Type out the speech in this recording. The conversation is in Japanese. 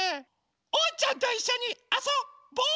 おうちゃんといっしょにあそぼう！